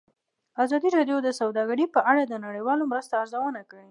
ازادي راډیو د سوداګري په اړه د نړیوالو مرستو ارزونه کړې.